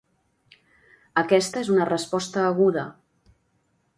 Aquesta és una resposta aguda.